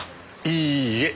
いいえ。